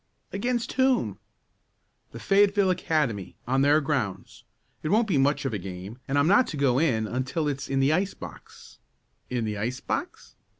"Against whom?" "The Fayetteville Academy, on their grounds. It won't be much of a game, and I'm not to go in until it's in the ice box " "In the ice box?"